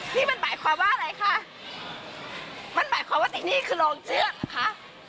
นี่มันหมายความว่าอะไรคะมันหมายความว่าไอ้นี่คือโรงเจือกเหรอคะ